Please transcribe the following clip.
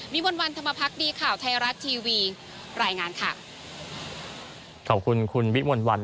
ขอบคุณคุณวิมวลวันนะครับ